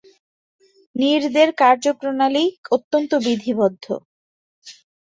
নীরদের কার্যপ্রণালী অত্যন্ত বিধিবদ্ধ।